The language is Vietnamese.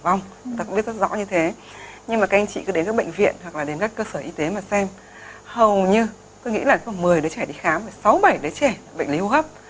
chúng ta cũng biết rất rõ như thế nhưng mà các anh chị cứ đến các bệnh viện hoặc là đến các cơ sở y tế mà xem hầu như tôi nghĩ là có một mươi đứa trẻ đi khám và sáu bảy đứa trẻ là bệnh lý hốp